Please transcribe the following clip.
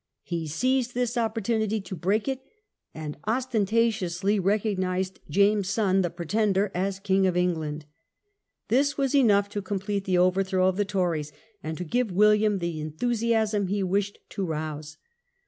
He seized this opportunity to break it, and osten tatiously recognized James's son, the Pretender, as King of England. This was enough to complete the overthrow of the Tories and to give William the enthusiasm he wished to rouse.